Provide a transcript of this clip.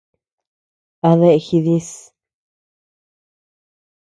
¿A dea jidis?